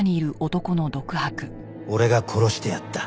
俺が殺してやった